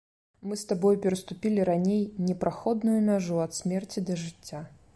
Мы з табою пераступілі раней непраходную мяжу ад смерці да жыцця.